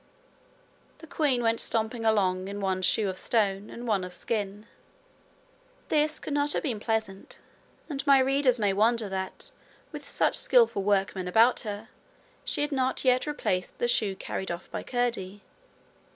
The queen went stumping along in one shoe of stone and one of skin. This could not have been pleasant, and my readers may wonder that, with such skilful workmen about her, she had not yet replaced the shoe carried off by Curdie.